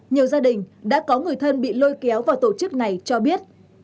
nhiều gia đình đã có người thân bị lôi kéo vào tổ chức này cho biết